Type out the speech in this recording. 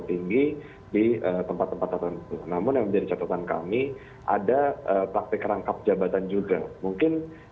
tinggi di tempat tempat tertentu namun yang menjadi catatan kami ada praktik rangkap jabatan juga mungkin